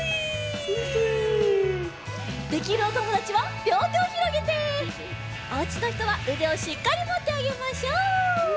できるおともだちはりょうてをひろげておうちのひとはうでをしっかりもってあげましょう。